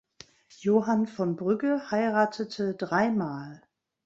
Johann von Brügge heiratete drei Mal.